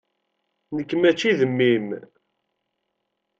Nekk mačči d mmi-m.